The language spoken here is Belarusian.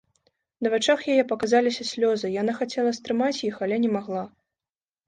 На вачах яе паказаліся слёзы, яна хацела стрымаць іх, але не магла.